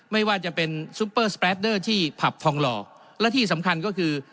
ไม่ว่าจะเป็นที่ผับฟองหล่อและที่สำคัญก็คือ